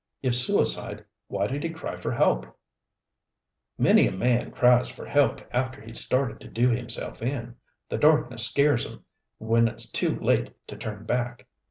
"If suicide why did he cry for help?" "Many a man cries for help after he's started to do himself in. The darkness scares 'em, when it's too late to turn back.